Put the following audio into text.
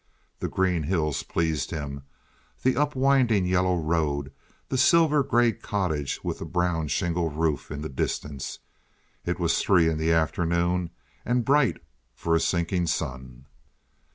The green hills pleased him, the up winding, yellow road, the silver gray cottage with the brown shingle roof in the distance. It was three in the afternoon, and bright for a sinking sun.